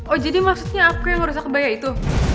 oh jadi maksudnya apko yang merusak kebaya itu